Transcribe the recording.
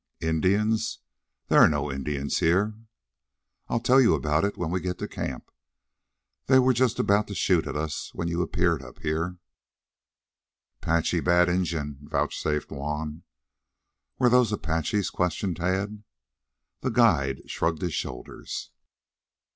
"Indians! There are no Indians here. "I'll tell you about it when we get to camp. They were just about to shoot at us when you appeared up here." "'Pache bad Injun," vouchsafed Juan. "Were those Apaches?" questioned Tad. The guide shrugged his shoulders.